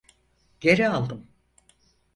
Geri aldım.